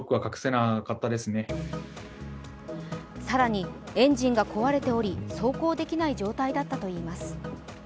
更に、エンジンが壊れており走行できない状態だったといいます。